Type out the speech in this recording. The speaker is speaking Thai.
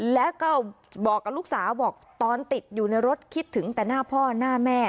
แล้วก็บอกกับลูกสาวบอกตอนติดอยู่ในรถคิดถึงแต่หน้าพ่อหน้าแม่